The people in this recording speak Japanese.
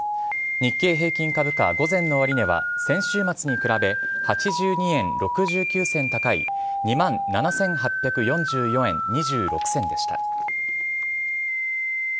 日経平均株価、午前の終値は、先週末に比べ、８２円６９銭高い、２万７８４４円２６銭でした。